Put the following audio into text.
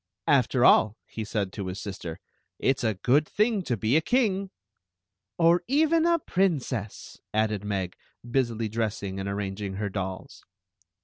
"After all," he said to his sister, "it 's a good thing to be a king !"," Or even a princess," added Meg, busily dressing and arranging her dolls.